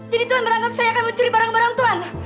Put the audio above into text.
jadi tuhan beranggap saya akan mencuri barang barang tuhan